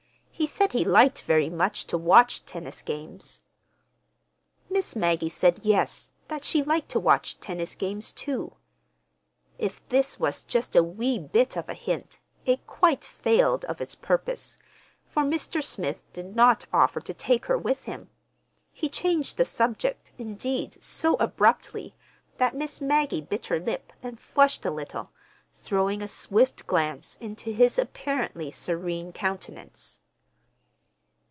He said he liked very much to watch tennis games. Miss Maggie said yes, that she liked to watch tennis games, too. If this was just a wee bit of a hint, it quite failed of its purpose, for Mr. Smith did not offer to take her with him. He changed the subject, indeed, so abruptly, that Miss Maggie bit her lip and flushed a little, throwing a swift glance into his apparently serene countenance.